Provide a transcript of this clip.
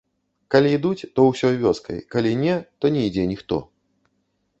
Калі ідуць, то ўсёй вёскай, калі не, то не ідзе ніхто.